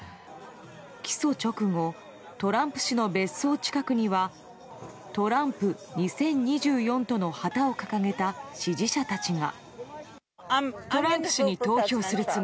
起訴直後トランプ氏の別荘近くには「トランプ２０２４」との旗を掲げた支持者たちが。